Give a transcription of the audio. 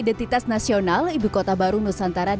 kota ibu kota baru nusantara